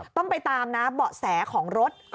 ต้องไปตามนะเบาะแสของรถ